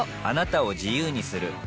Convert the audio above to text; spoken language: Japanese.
あなたを自由にする